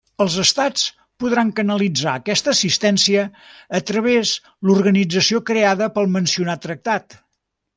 Els Estats podran canalitzar aquesta assistència a través l'organització creada pel mencionat tractat.